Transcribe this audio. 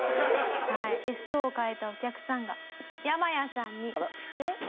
はい血相を変えたお客さんがヤマヤさんに。